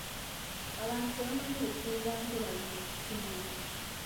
Abantu tebamanyi bukulu bwa ntobazi mu kitundu.